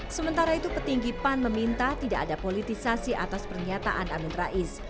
sementara itu petinggi pan meminta tidak ada politisasi atas pernyataan amin rais